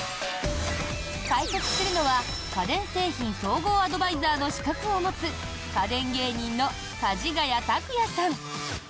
解説するのは家電製品総合アドバイザーの資格を持つ家電芸人のかじがや卓哉さん。